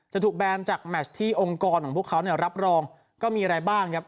ถูกแบนจากแมชที่องค์กรของพวกเขาเนี่ยรับรองก็มีอะไรบ้างครับ